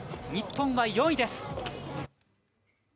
日本は４位です。